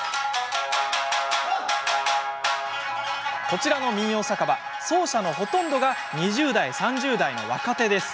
こちらの民謡酒場奏者のほとんどが２０代、３０代の若手です。